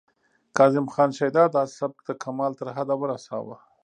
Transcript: کاظم خان شیدا دا سبک د کمال تر حده ورساوه